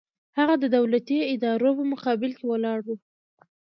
هغه د دولتي ادارو په مقابل کې ولاړ و.